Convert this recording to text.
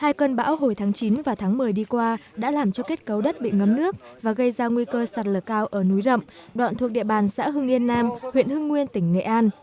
hai cơn bão hồi tháng chín và tháng một mươi đi qua đã làm cho kết cấu đất bị ngấm nước và gây ra nguy cơ sạt lở cao ở núi rậm đoạn thuộc địa bàn xã hưng yên nam huyện hưng nguyên tỉnh nghệ an